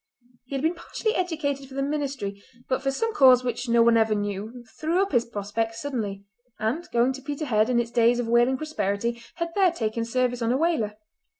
He had been partially educated for the ministry, but for some cause which no one ever knew threw up his prospects suddenly, and, going to Peterhead in its days of whaling prosperity, had there taken service on a whaler.